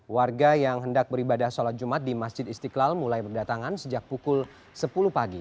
warga yang hendak beribadah sholat jumat di masjid istiqlal mulai berdatangan sejak pukul sepuluh pagi